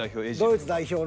ドイツ代表の。